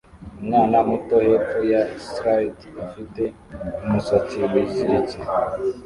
Umwana muto hepfo ya slide afite umusatsi wiziritse